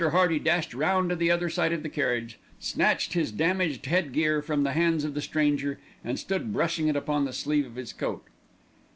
Hearty dashed round to the other side of the carriage, snatched his damaged headgear from the hands of the stranger, and stood brushing it upon the sleeve of his coat.